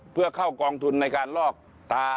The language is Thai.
เพื่อเข้ากองทุนในการลอกตา